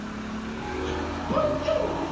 しょくパンじゃない？